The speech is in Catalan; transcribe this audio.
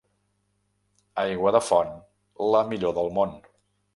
Aigua de font, la millor del món.